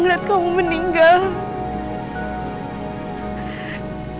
lihat kamu meninggal